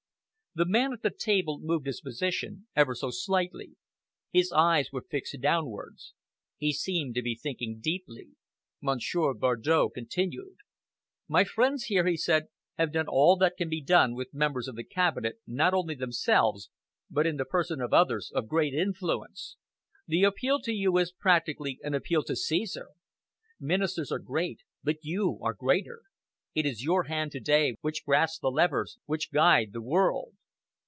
The man at the table moved his position ever so slightly. His eyes were fixed downwards. He seemed to be thinking deeply. Monsieur Bardow continued. "My friends here," he said, "have done all that can be done with members of the Cabinet, not only themselves, but in the person of others of great influence. The appeal to you is practically an appeal to Caesar. Ministers are great, but you are greater. It is your hand to day which grasps the levers which guide the world."